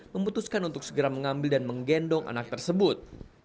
memutuskan untuk segera mengambil dan menggendong anak tersebut